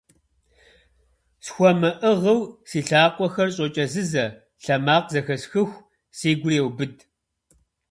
СхуэмыӀыгъыу си лъакъуэхэр щӀокӀэзызэ, лъэмакъ зэхэсхыху, си гур еубыд.